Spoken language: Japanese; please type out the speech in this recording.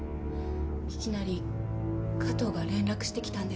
いきなり加藤が連絡してきたんです。